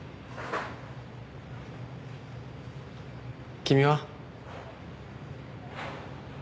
君は？